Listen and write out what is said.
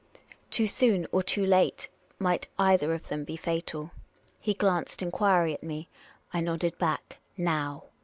Too soon or too late might either of them be fatal. He glanced enquiry at me. I nodded back, " Now